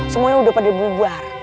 semuanya udah pada dibuar